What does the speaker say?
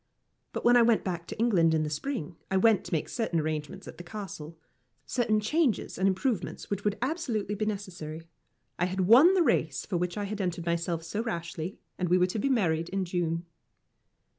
But when I went back to England in the spring, I went to make certain arrangements at the Castle certain changes and improvements which would be absolutely necessary. I had won the race for which I had entered myself so rashly, and we were to be married in June.